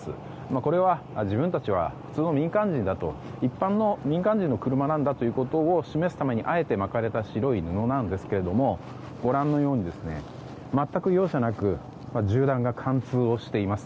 これは自分たちは普通の民間人だと一般の民間人の車なんだと示すためにあえて巻かれた白い布なんですけどもご覧のように全く容赦なく銃弾が貫通をしています。